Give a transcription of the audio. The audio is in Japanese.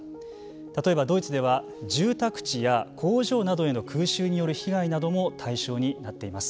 例えば、ドイツでは住宅地や工場などへの空襲による被害も対象になっています。